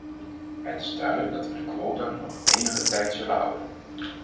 Het is duidelijk dat we de quota nog enige tijd zullen houden.